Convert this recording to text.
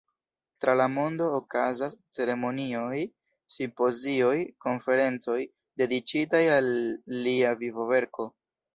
Tra la mondo okazas ceremonioj, simpozioj, konferencoj dediĉitaj al lia vivoverko.